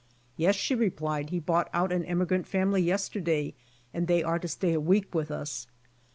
"Yes," she replied, "He bought out an emigrant family yesterday, and they are to stay a week with us."